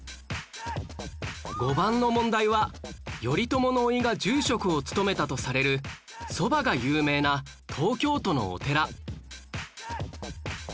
５番の問題は頼朝の甥が住職を務めたとされる蕎麦が有名な東京都のお寺